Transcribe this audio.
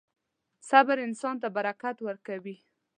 • صبر انسان ته برکت ورکوي.